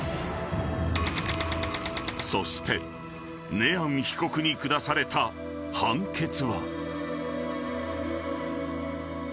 ［そしてネアン被告に下された判決は］